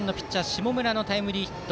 下村のタイムリーヒット。